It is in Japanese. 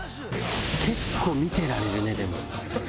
結構見てられるねでも。